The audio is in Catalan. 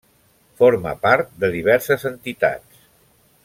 Forma part de diverses entitats.